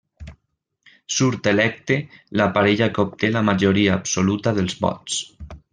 Surt electe la parella que obté la majoria absoluta dels vots.